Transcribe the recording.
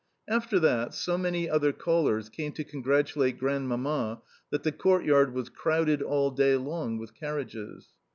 After that, so many other callers came to congratulate Grandmamma that the courtyard was crowded all day long with carriages.